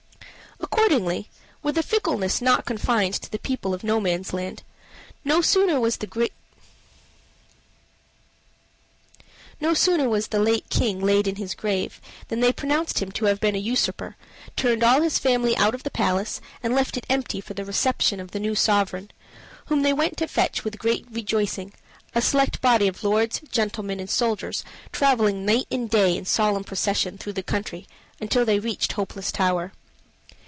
Accordingly, with a fickleness not confined to the people of Nomansland, no sooner was the late King laid in his grave than they pronounced him to have been a usurper; turned all his family out of the palace, and left it empty for the reception of the new sovereign, whom they went to fetch with great rejoicing, a select body of lords, gentlemen, and soldiers traveling night and day in solemn procession through the country until they reached Hopeless Tower.